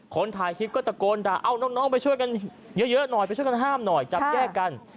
คนถ่ายคลิปก็ตะโกนด่าเอาน้องไปช่วยกันเยอะหน่อยไปช่วยกันห้ามหน่อยจับแยกกัน